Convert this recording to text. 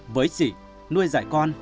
với chị nuôi dạy con